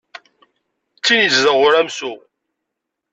D tin yezdeɣ uramsu.